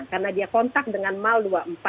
karena dia kontak dengan mal dua puluh empat